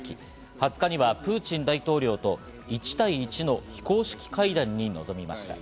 ２０日にはプーチン大統領と１対１の非公式会談に臨みました。